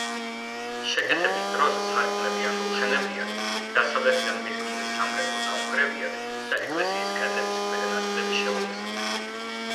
შეკეთების დროს სარკმლები ამოუშენებიათ, დასავლეთიდან მიდგმული სამრეკლო დაუნგრევიათ და ეკლესიის კედლების ქვედა ნაწილები შეულესავთ.